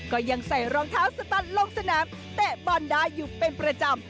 ก็ยังใส่รองเท้าสตันลงสนามเตะบอลได้อยู่เป็นประจำ